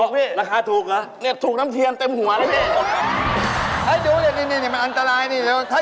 มิดูลูกละ